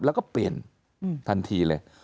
แล้วก็เปลี่ยนทันทีเลย